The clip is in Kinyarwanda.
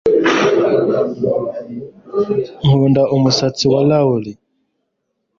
Nkunda umusatsi wa Laurie